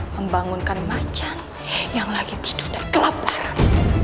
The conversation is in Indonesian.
membangunkan macan yang lagi tidur dan kelaparan